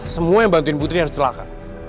semua yang bantuin putri harus celaka